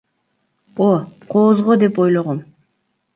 О, кооз го деп ойлогом.